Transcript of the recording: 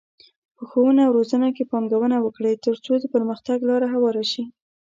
په ښوونه او روزنه کې پانګونه وکړئ، ترڅو د پرمختګ لاره هواره شي.